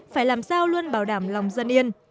phải làm sao luôn bảo đảm lòng dân yên